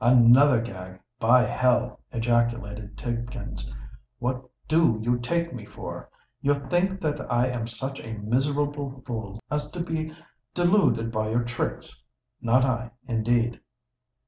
"Another gag—by hell!" ejaculated Tidkins "What do you take me for? You think that I am such a miserable fool as to be deluded by your tricks? Not I, indeed!